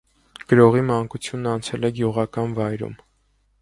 Գրողի մանկությունն անցել է գյուղական վայրում։